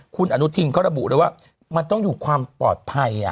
คุณอนุทินเขาระบุเลยว่ามันต้องอยู่ความปลอดภัย